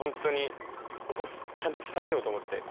ちゃんと伝えようと思って。